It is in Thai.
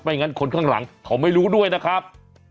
งั้นคนข้างหลังเขาไม่รู้ด้วยนะครับ